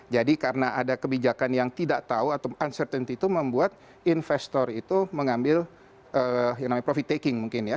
jadi karena ada kebijakan yang tidak tahu atau uncertainty itu membuat investor itu mengambil yang namanya profit taking mungkin ya